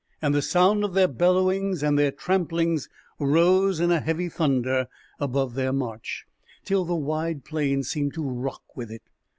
And the sound of their bellowings and their tramplings rose in a heavy thunder above their march, till the wide plain seemed to rock with it.